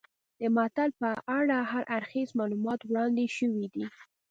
د متل په اړه هر اړخیز معلومات وړاندې شوي دي